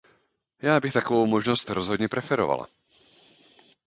Já bych takovou možnost rozhodně preferovala.